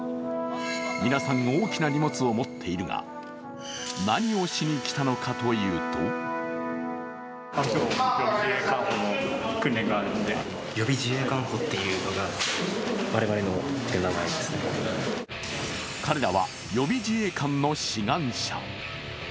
皆さん、大きな荷物を持っているが何をしにきたのかというと彼らは予備自衛官の志願者。